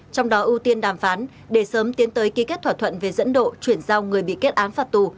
trong đó ưu tiên đàm phán để sớm tiến tới ký kết thỏa thuận về dẫn độ chuyển giao người bị kết án phạt tù